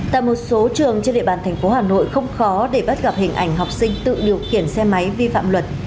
tại một số trường trên địa bàn thành phố hà nội không khó để bắt gặp hình ảnh học sinh tự điều khiển xe máy vi phạm luật